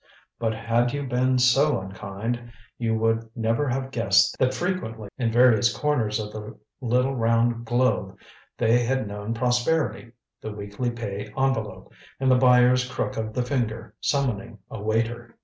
But had you been so unkind, you would never have guessed that frequently, in various corners of the little round globe, they had known prosperity, the weekly pay envelope, and the buyer's crook of the finger summoning a waiter.